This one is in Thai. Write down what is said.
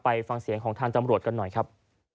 ฟังเสียงของทางตำรวจกันหน่อยครับ